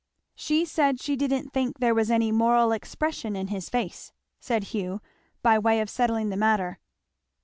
"She said she didn't think there was any moral expression in his face," said Hugh, by way of settling the matter.